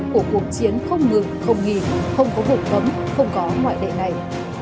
của cuộc chiến không ngừng không nghỉ không có hủ tấm không có ngoại đệ này